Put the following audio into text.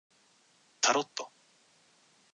タロット